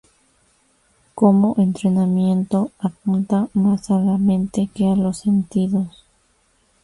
Como entretenimiento, apunta más a la mente que a los sentidos".